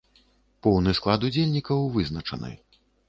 Поўны склад удзельнікаў вызначаны.